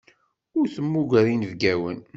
Ur temmuger inebgawen.